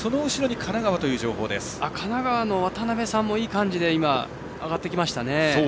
神奈川の渡邊さんもいい感じで上がってきましたね。